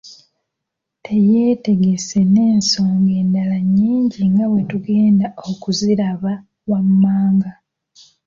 Teyeetegese n’ensonga endala nnyingi nga bwetugenda okuziraba wammanaga.